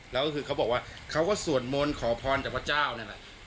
แล้วก็คือเขาบอกว่าเขาก็สวดมนต์ขอพรจากพระเจ้านั่นแหละ